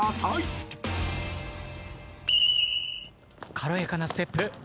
軽やかなステップ。